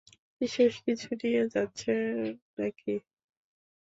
বিশেষ কিছু নিয়ে যাচ্ছেন নাকি?